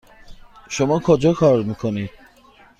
شما کجا کار میکنید؟